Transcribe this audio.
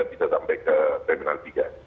bisa sampai ke terminal tiga